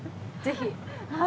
ぜひ。